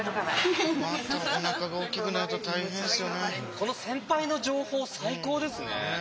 この先輩の情報最高ですね。